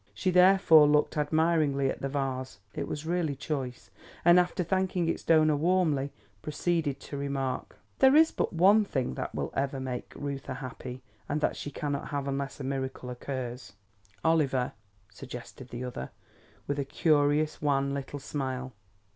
She, therefore, looked admiringly at the vase (it was really choice); and, after thanking its donor warmly, proceeded to remark: "There is but one thing that will ever make Reuther happy, and that she cannot have unless a miracle occurs." "Oliver?" suggested the other, with a curious, wan little smile.